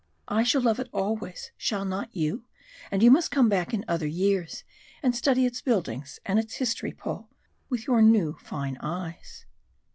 I shall love it always, shall not you? and you must come back in other years and study its buildings and its history, Paul with your new, fine eyes."